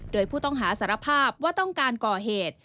โดยผู้ต้องหาสารภาพว่าต้องการก่อเหตุ